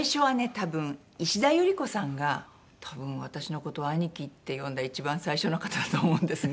多分石田ゆり子さんが多分私の事をアニキって呼んだ一番最初の方だと思うんですが。